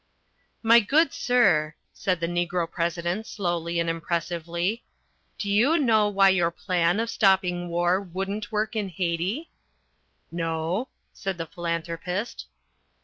"My good sir," said the Negro President slowly and impressively, "do you know why your plan of stopping war wouldn't work in Haiti?" "No," said The Philanthropist.